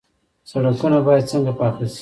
سړکونه باید څنګه پاخه شي؟